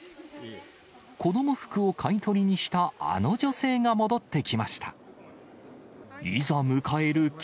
子ども服を買い取りにしたあの女性が戻ってきました。